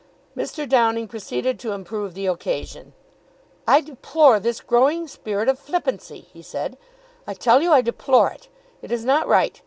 Mr. Downing proceeded to improve the occasion. "I deplore this growing spirit of flippancy," he said. "I tell you I deplore it! It is not right!